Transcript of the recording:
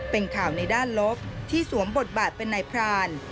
เป็นข่าวในด้านลบที่สวมบทบาทเป็นนายพราน